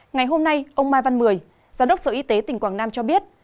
ngày hôm nay ông mai văn mười giám đốc sở y tế tỉnh quảng nam cho biết